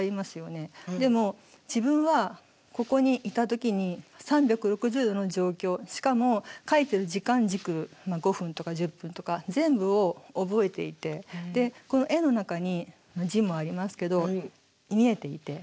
でも自分はここにいた時に３６０度の状況しかも描いてる時間軸の５分とか１０分とか全部を覚えていてで絵の中に字もありますけど見えていて。